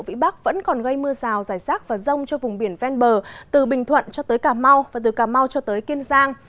vị bắc vẫn còn gây mưa rào dài rác và rông cho vùng biển ven bờ từ bình thuận cho tới cà mau và từ cà mau cho tới kiên giang